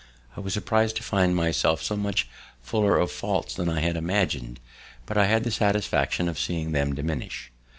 I was surpris'd to find myself so much fuller of faults than I had imagined; but I had the satisfaction of seeing them diminish.